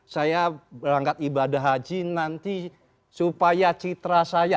saya berangkat ibadah haji nanti supaya citra saya